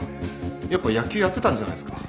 やっぱ野球やってたんじゃないっすか。